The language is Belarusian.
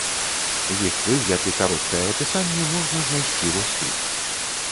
Іх выгляд і кароткае апісанне можна знайсці вось тут.